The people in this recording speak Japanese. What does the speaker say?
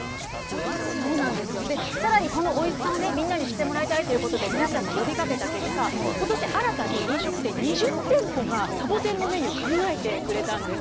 そうなんですよ、で、さらにこのおいしさを、みんなに知ってもらいたいということで、皆さんが呼びかけた結果、ことし新たに、飲食店２０店舗がサボテンのメニューを考えてくれたんです。